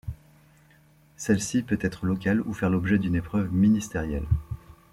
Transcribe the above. Celle-ci peut être locale ou faire l’objet d’une épreuve ministérielle.